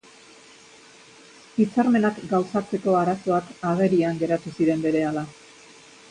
Hitzarmenak gauzatzeko arazoak agerian geratu ziren berehala.